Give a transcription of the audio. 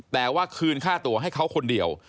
แต่ว่าคืนค่าตัวให้เขาคนเดียว